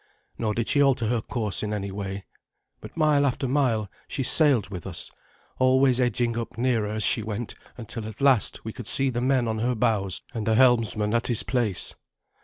Nor did she alter her course in any way, but mile after mile she sailed with us, always edging up nearer as she went, until at last we could see the men on her bows and the helmsman at his place.